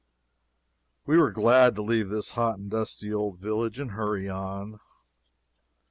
We were glad to leave this hot and dusty old village and hurry on.